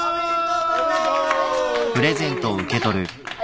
おめでとうございます！